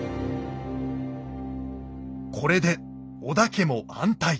これで織田家も安泰。